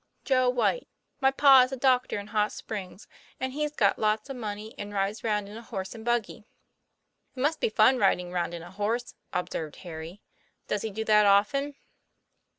''' Joe Whyte. My pa is a doctor in Hot Springs, and he's got lots of money, and rides round in a horse and buggy." '* It must be fun riding round in a horse," observed Harry. " Does he do that often